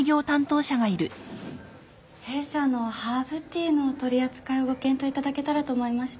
弊社のハーブティーのお取り扱いをご検討いただけたらと思いまして。